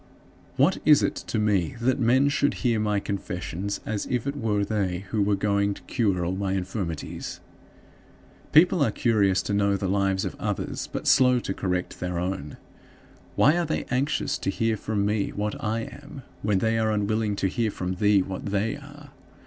What is it to me that men should hear my confessions as if it were they who were going to cure all my infirmities? People are curious to know the lives of others, but slow to correct their own. Why are they anxious to hear from me what I am, when they are unwilling to hear from thee what they are?